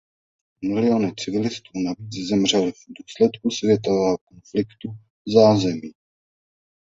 Miliony civilistů navíc zemřely v důsledku světového konfliktu v zázemí.